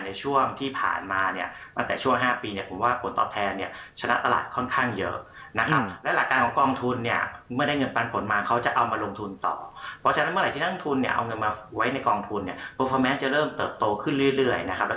ในช่วงที่ผ่านมาเนี่ยตั้งแต่ช่วง๕ปีเนี่ยผมว่าผลตอบแทนเนี่ย